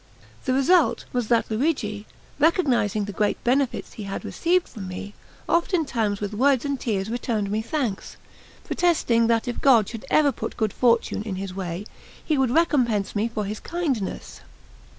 The result was that Luigi, recognising the great benefits he had received from me, oftentimes with words and tears returned me thanks, protesting that if God should ever put good fortune in his way, he would recompense me for my kindness.